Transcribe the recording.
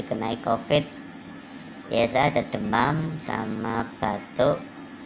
kena covid sembilan belas biasa ada demam sama batuk